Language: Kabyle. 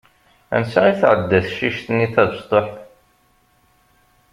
Ansa i tɛedda tecict-nni tabesṭuḥt?